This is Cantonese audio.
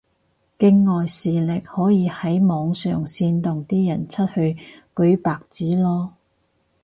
境外勢力可以喺網上煽動啲人出去舉白紙囉